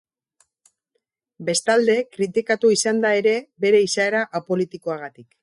Bestalde kritikatua izan da ere, bere izaera apolitikoagatik.